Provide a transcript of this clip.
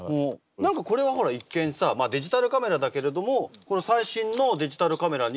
何かこれはほら一見さデジタルカメラだけれどもこれは最新のデジタルカメラに。